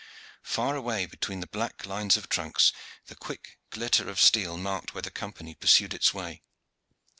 Far away between the black lines of trunks the quick glitter of steel marked where the Company pursued its way.